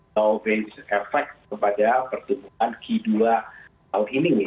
low based effect kepada pertumbuhan ke dua tahun ini